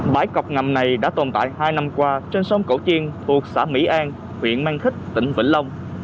bãi cọc ngầm này đã tồn tại hai năm qua trên sông cổ chiên thuộc xã mỹ an huyện mang thít tỉnh vĩnh long